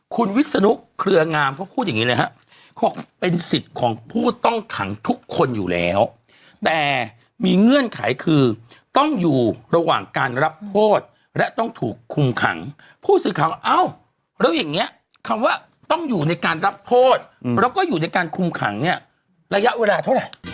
คุณวิศนุเครืองามเขาพูดอย่างนี้เลยฮะเขาบอกเป็นสิทธิ์ของผู้ต้องขังทุกคนอยู่แล้วแต่มีเงื่อนไขคือต้องอยู่ระหว่างการรับโทษและต้องถูกคุมขังผู้สื่อข่าวว่าเอ้าแล้วอย่างนี้คำว่าต้องอยู่ในการรับโทษแล้วก็อยู่ในการคุมขังเนี่ยระยะเวลาเท่าไหร่